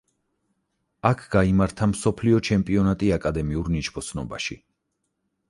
აქ გაიმართა მსოფლიო ჩემპიონატი აკადემიურ ნიჩბოსნობაში.